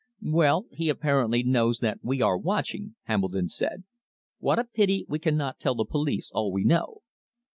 "Well, he apparently knows that we are watching," Hambledon said. "What a pity we cannot tell the police all we know."